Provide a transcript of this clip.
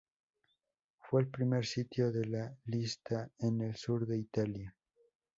Fue el primer sitio de la lista en el sur de Italia.